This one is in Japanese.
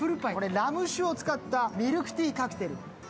ラム酒を使ったミルクティーカクテル。